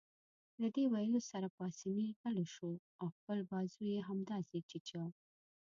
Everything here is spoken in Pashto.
له دې ویلو سره پاسیني غلی شو او خپل بازو يې همداسې چیچه.